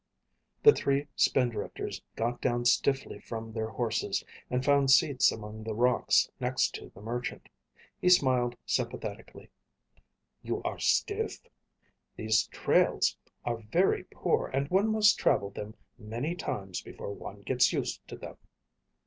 The three Spindrifters got down stiffly from their horses and found seats among the rocks next to the merchant. He smiled sympathetically. "You are stiff? These trails are very poor and one must travel them many times before one gets used to them."